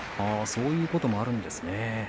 そういうこともあるんですね。